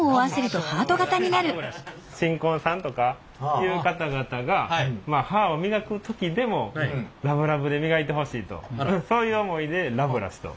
新婚さんとかいう方々が歯を磨く時でもラブラブで磨いてほしいとそういう思いでラブラシと。